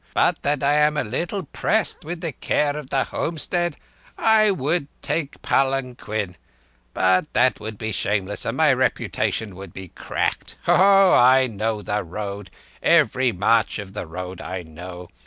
"But that I am a little pressed with the care of the homestead I would take palanquin ... but that would be shameless, and my reputation would be cracked. Ho! Ho! I know the road—every march of the road I know.